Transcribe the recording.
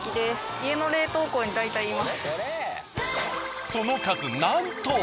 家の冷凍庫に大体います。